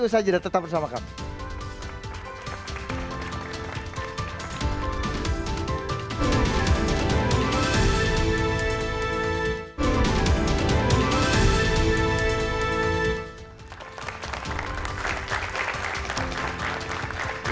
usaha jeda tetap bersama kami